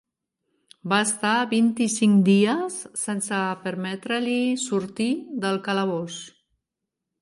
Va estar vint-i-cinc dies sense permetre-li sortir del calabós.